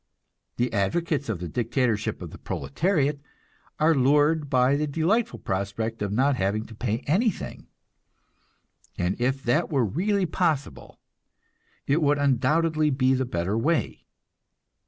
The advocates of the dictatorship of the proletariat are lured by the delightful prospect of not having to pay anything; and if that were really possible it would undoubtedly be the better way.